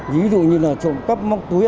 ví dụ như trộm cắp móc túi